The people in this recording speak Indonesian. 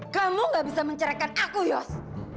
kamu gak bisa menceraikan aku yos